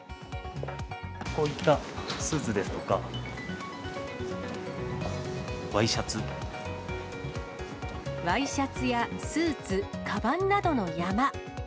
こういったスーツですとか、ワイシャツやスーツ、かばんなどの山。